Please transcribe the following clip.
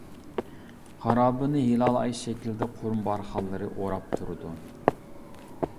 خارابىنى ھىلال ئاي شەكلىدە قۇم بارخانلىرى ئوراپ تۇرىدۇ.